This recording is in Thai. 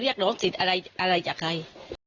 เรียกหนูสิอะไรจากใคร